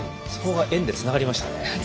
そこが円でつながりましたね。